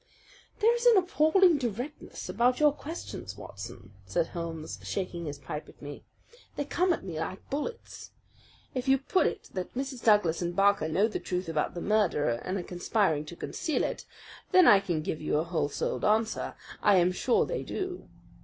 "There is an appalling directness about your questions, Watson," said Holmes, shaking his pipe at me. "They come at me like bullets. If you put it that Mrs. Douglas and Barker know the truth about the murder, and are conspiring to conceal it, then I can give you a whole souled answer. I am sure they do.